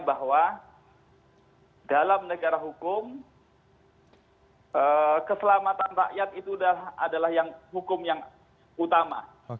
bahwa dalam negara hukum keselamatan rakyat itu adalah hukum yang utama